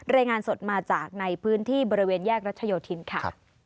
รายงานสดมาจากในพื้นที่บริเวณแยกรัชโยธินค่ะ